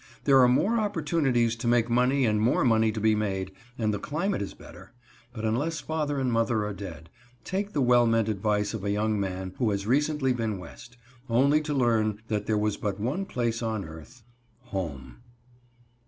There are more opportunities to make money and more money to be made, and the climate is better; but unless father and mother are dead, take the well meant advice of a young man who has recently been West; only to learn that there was but one place on earth "HOME."